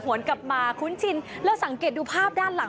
วนกลับมาคุ้นชินแล้วสังเกตดูภาพด้านหลัง